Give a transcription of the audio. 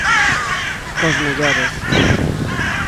Cos mellores.